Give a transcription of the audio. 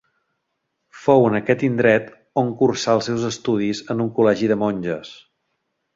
Fou en aquest indret on cursà els seus estudis en un col·legi de monges.